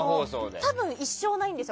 多分一生ないんですよ